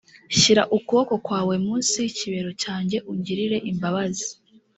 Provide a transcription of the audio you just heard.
shyira ukuboko kwawe munsi y’ikibero cyanjye ungirire imbabazi